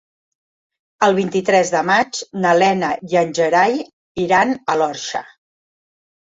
El vint-i-tres de maig na Lena i en Gerai iran a l'Orxa.